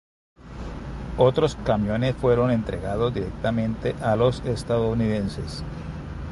Otros camiones fueron entregados directamente a los estadounidenses.